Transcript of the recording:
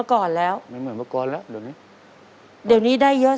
เด็กก็จะได้ไปกินอาหารกลางวันกันที่โรงเรียนเท่านั้นเอง